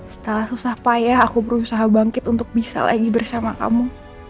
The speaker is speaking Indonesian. setelah susah payah aku berusaha bangkit untuk bisa lagi bersama kamu